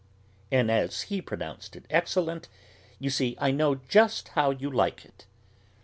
And as he pronounced it excellent, "You see, I know just how you like it."